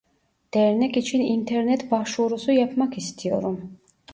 Dernek için internet başvurusu yapmak istiyorum